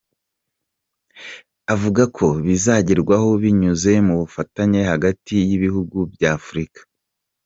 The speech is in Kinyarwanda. Avuga ko bizagerwaho binyuze mu bufatanye hagati y’ibihugu bya Afurika.